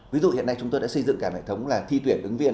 ví dụ hiện nay chúng tôi đã xây dựng cả mạng thống thi tuyển ứng viên